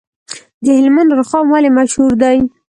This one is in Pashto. د هلمند رخام ولې مشهور دی؟